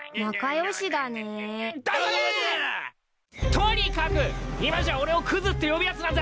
とにかく今じゃ俺をくずって呼ぶやつなんざ